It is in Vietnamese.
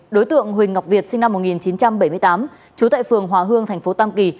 đối tượng huỳnh ngọc việt sinh năm một nghìn chín trăm bảy mươi tám trú tại phường hòa hương thành phố tam kỳ